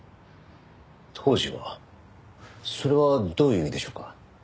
それはどういう意味でしょうか？